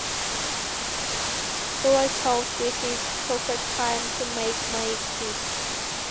So I thought, this is a perfect time to make my exit.